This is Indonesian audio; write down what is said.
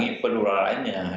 untuk menjalankan program itu